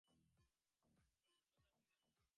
কেবল শূন্যতা এবং দারিদ্র্য।